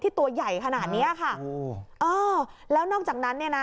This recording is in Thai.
ตัวใหญ่ขนาดเนี้ยค่ะโอ้เออแล้วนอกจากนั้นเนี่ยนะ